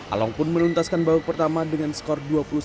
along pun meluntaskan babak pertama dengan skor dua puluh satu lima belas